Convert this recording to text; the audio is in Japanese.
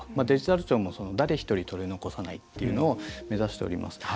デジタル庁も誰一人取り残さないっていうのを目指しています。